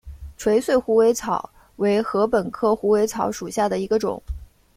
垂穗虎尾草为禾本科虎尾草属下的一个种。